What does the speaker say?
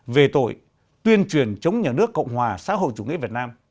về tội tuyên truyền chống nhà nước cộng hòa xã hội chủ nghĩa việt nam